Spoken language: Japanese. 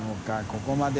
ここまで。